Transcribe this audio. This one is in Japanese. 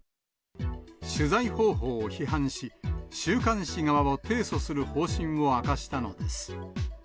取材方法を批判し、週刊誌側を提訴する方針を明かしたのです。